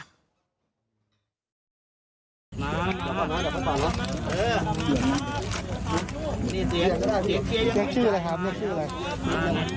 อรุณคลัง